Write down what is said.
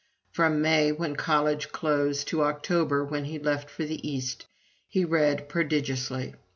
From May, when college closed, to October, when he left for the East, he read prodigiously.